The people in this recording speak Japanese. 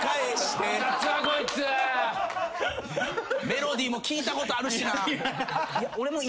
メロディーも聴いたことあるしなぁ。